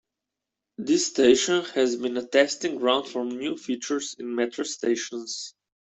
This station has been a testing ground for new features in Metro stations.